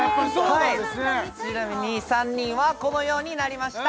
はいちなみに３人はこのようになりました